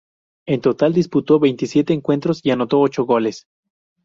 En total disputó veintisiete encuentros y anotó ocho goles.